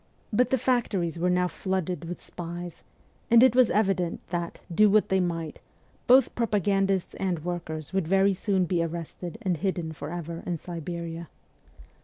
But the factories were now flooded with spies, and it was evident that, do what they might, both propagandists and workers would very soon be arrested and hidden for ever in Siberia.